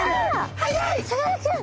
さかなクン！